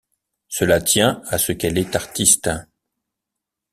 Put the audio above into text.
Cela tient à ce qu’elle est artiste.